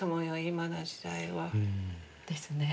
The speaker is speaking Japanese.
今の時代は。ですね。